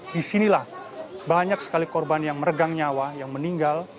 disinilah banyak sekali korban yang meregang nyawa yang meninggal